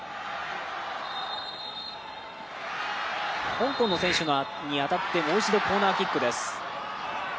香港の選手に当たって、もう一度コーナーキックです。